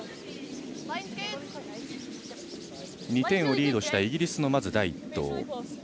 ２点をリードしたイギリスの第１投。